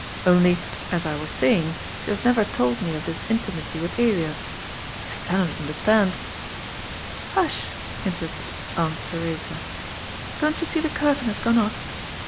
Only, as I was saying, she has never told me of this intimacy with Elias. And I cannot understand "" Hush," interrupted Aunt Theresa. " Don't you see the curtain has gone up